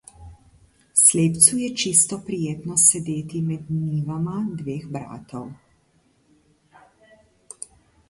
Slepcu je čisto prijetno sedeti med njivama dveh bratov.